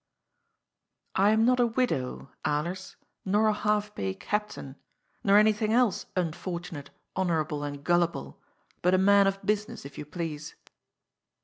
^^ I am not a widow, Alers, nor a half pay captain, nor anything else unfortunate, honourable and gullible, but a man of business, if you please."